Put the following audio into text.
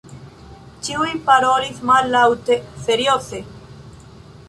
Ĉiuj parolis mallaŭte, serioze.